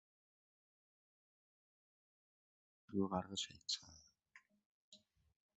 Тэдний хааш явахыг ч асуулгүй гаргаж хаяцгаав.